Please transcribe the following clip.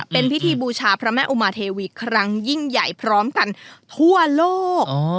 เป็นพิธีบูชาพระแม่อุมาเทวีครั้งยิ่งใหญ่พร้อมกันทั่วโลก